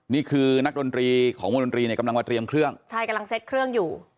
นี่คือนักดนตรีของวงดนตรีเนี่ยกำลังมาเตรียมเครื่องใช่กำลังเซ็ตเครื่องอยู่